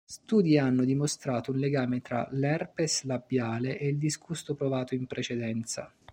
Studi hanno dimostrato un legame tra l’herpes labiale e il disgusto provato in precedenza.